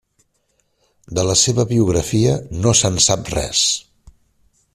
De la seva biografia no se'n sap res.